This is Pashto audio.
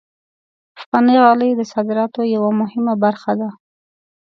افغاني غالۍ د صادراتو یوه مهمه برخه ده.